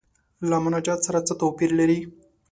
له مناجات سره څه توپیر لري.